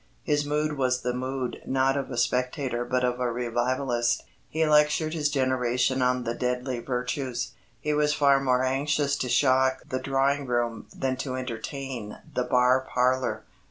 His mood was the mood not of a spectator but of a revivalist. He lectured his generation on the deadly virtues. He was far more anxious to shock the drawing room than to entertain the bar parlour.